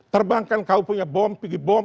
terbangkan kau punya bom pergi bom